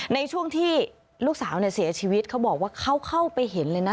ในช่วงที่ลูกสาวเนี่ยเสียชีวิตเขาบอกว่าเขาเข้าไปเห็นเลยนะ